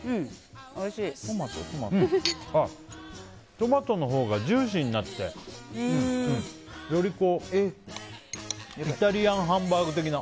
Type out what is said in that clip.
トマトのほうがジューシーになってよりイタリアンハンバーグ的な。